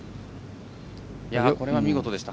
これは見事でした。